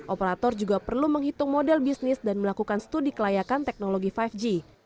operator juga perlu menghitung model bisnis dan melakukan studi kelayakan teknologi lima g